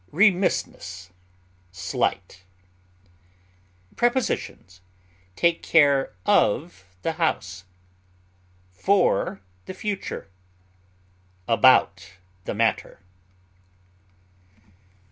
heedlessness, neglect, Prepositions: Take care of the house; for the future; about the matter.